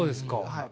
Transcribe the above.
はい。